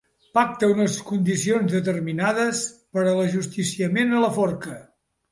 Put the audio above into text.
Pacta unes condicions determinades per a l'ajusticiament a la forca.